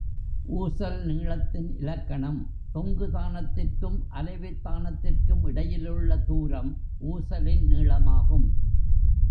ஊசல் நீளத்தின் இலக்கணம் தொங்குதானத்திற்கும், அலைவுத்தானத்திற்கும் இடையிலுள்ள தூரம் ஊசலின் நீளமாகும்.